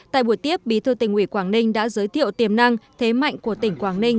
tại buổi tiếp bí thư tỉnh ủy quảng ninh đã giới thiệu tiềm năng thế mạnh của tỉnh quảng ninh